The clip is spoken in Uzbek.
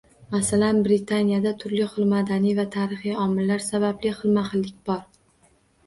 Masalan, Britaniyada turli xil madaniy va tarixiy omillar sababli xilma xillik bor.